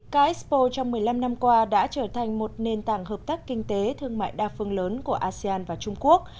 k expo trong một mươi năm năm qua đã trở thành một nền tảng hợp tác kinh tế thương mại đa phương lớn của asean và trung quốc